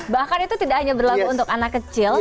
bahkan itu tidak hanya berlaku untuk anak kecil